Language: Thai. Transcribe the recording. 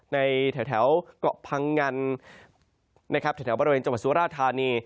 แถวเกาะพังงันนะครับแถวบริเวณจังหวัดสุราธานี